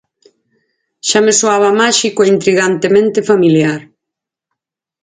Xa me soaba máxico e intrigantemente familiar.